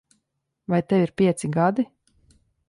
Vai tev ir pieci gadi?